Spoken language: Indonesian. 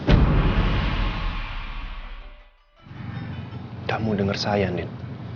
udah mau denger saya nid